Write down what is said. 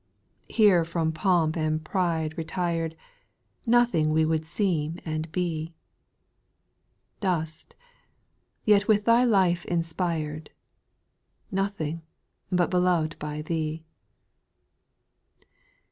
8. Here from pomp and pride retired, Nothing we would seem and be ; Dust, yet with Thy life inspired, Nothing, but beloved by Thee.